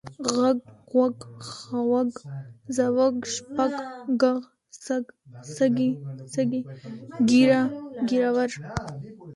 غږ، غوږ، خوَږ، ځوږ، شپږ، ږغ، سږ، سږی، سږي، ږېره، ږېروَر .